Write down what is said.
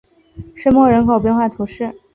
圣莫人口变化图示